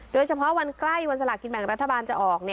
โดยเฉพาะวันใกล้วันสลากินแบ่งรัฐบาลจะออก